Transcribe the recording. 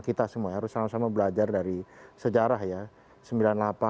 kita semua harus sama sama belajar dari sejarah ya